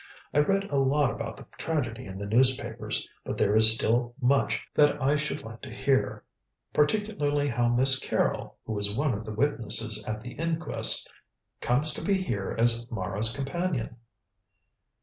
I read a lot about the tragedy in the newspapers, but there is still much that I should like to hear. Particularly how Miss Carrol, who was one of the witnesses at the inquest, comes to be here as Mara's companion."